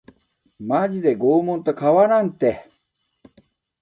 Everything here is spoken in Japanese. マジで拷問と変わらんて